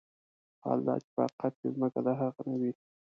حال دا چې په حقيقت کې ځمکه د هغه نه وي.